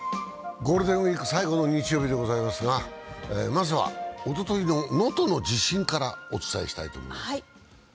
ゴールデンウイーク最後の日曜日でございますがまずはおとといの能登の地震からお伝えしたいと思います。